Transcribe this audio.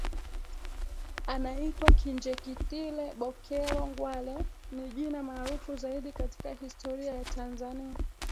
Anaitwa Kinjekitile Bokero Ngwale ni jina maarufu zaidi katika historia ya Tanzania